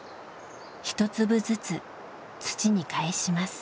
１粒ずつ土にかえします。